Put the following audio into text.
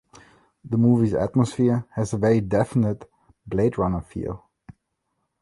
The movie's atmosphere has a very definite "Blade Runner" feel.